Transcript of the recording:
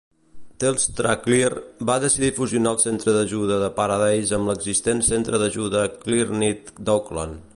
TelstraClear va decidir fusionar el centre d'ajuda de Paradise amb l'existent centre d'ajuda Clearnet d'Auckland.